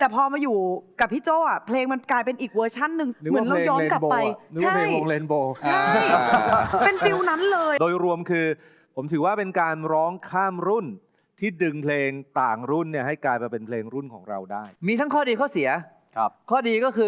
กีดกันด้วยเวลาฉันยินดีรอแต่กีดกันด้วยชะตาฉันคงต้องยอมภายแพ้